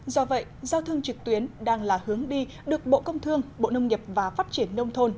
do vậy giao thương trực tuyến đang là hướng đi được bộ công thương bộ nông nghiệp và phát triển nông thôn